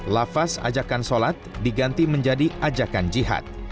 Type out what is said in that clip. lafaz ajakan sholat diganti menjadi ajakan jihad